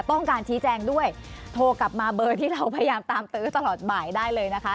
ต้องการชี้แจงด้วยโทรกลับมาเบอร์ที่เราพยายามตามตื้อตลอดบ่ายได้เลยนะคะ